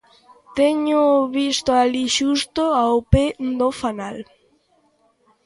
Téñoo visto alí xusto ao pé do fanal.